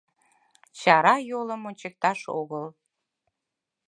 — Чара йолым ончыкташ огыл!